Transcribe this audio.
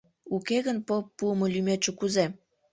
Уке гын, поп пуымо лӱметше кузе?